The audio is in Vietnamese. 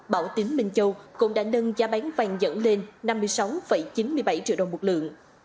bảo tín bình châu cũng đã nâng giá bán vàng nhẫn lên năm mươi sáu chín mươi bảy triệu đồng một lượng